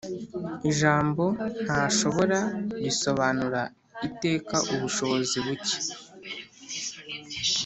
Ijambo "ntashobora" ntirisobanura iteka ubushobozi buke.